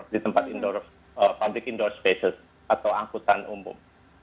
di tempat public indoor spaces atau angkutan umum